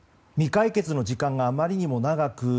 未解決の時間があまりにも長く